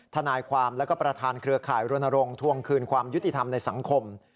ทนายความและก็ประธานเครือข่ายรณรงค์ทวงคืนความยุติธรรมในสังคม